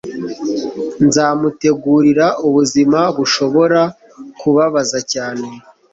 nzamutegurira ubuzima bushobora kubabaza cyane